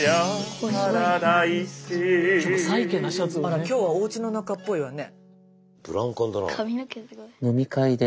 あら今日はおうちの中っぽいわね。